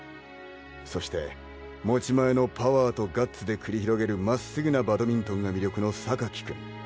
そして持ち前のパワーとガッツで繰り広げる真っ直ぐなバドミントンが魅力の君。